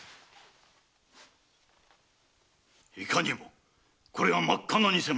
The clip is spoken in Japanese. いかにもこれは真っ赤な偽物！